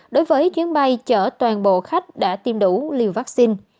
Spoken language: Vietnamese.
đối với chuyến bay chở toàn bộ khách đã tiêm đủ liều vaccine